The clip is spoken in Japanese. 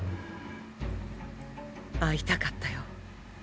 会いたかったよ。